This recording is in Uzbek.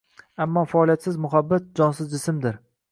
Ammo faoliyatsiz muhabbat — jonsiz jismdir.